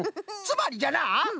つまりじゃなあ